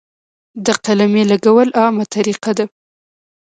د قلمې لګول عامه طریقه ده.